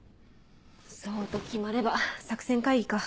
そうと決まれば作戦会議か。